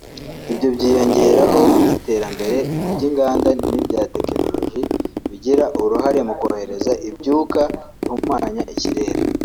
Ibyo byiyongeraho iterambere mu by’inganda n’ibya tekinologi bigira uruhare mu kohereza ibyuka bihumanya ikirere